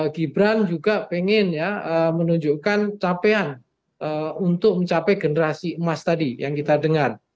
gibran juga pengen ya menunjukkan capaian untuk mencapai generasi emas tadi yang kita dengar